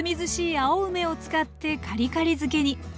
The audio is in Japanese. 青梅を使ってカリカリ漬けに。